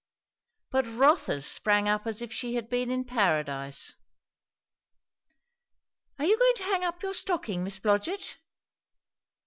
But Rotha's sprang up as if she had been in paradise. "Are you going to hang up your stocking, Miss Blodgett?"